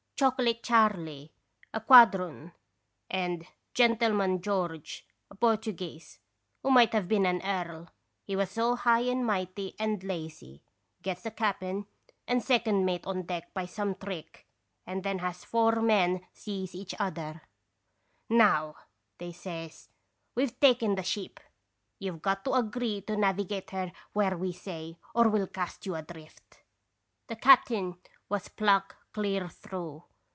"Chocolate Charley, a quadroon, and i So & radons Visitation. Gentleman George, a Portuguese, who might have been an earl, he was so high and mighty and lazy, gets the cap'n and second mate on deck by some trick, and then has four men seize each one. "'Now/ they says, 'we've taken the ship! You've got to agree to navigate her where we say, or we '11 cast you adrift.' " The cap'n was pluck clear through.